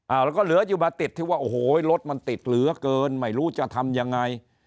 แล้วก็เหลืออยู่มาติดที่ว่าโอ้โหรถมันติดเหลือเกินไม่รู้จะทำยังไง